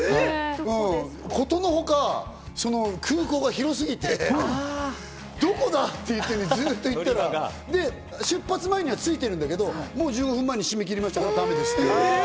ことのほか空港が広すぎて、どこだ？って言って、ずっと行ったら、出発前には着いてるんだけど、もう１５分前に締め切りました、だめですって。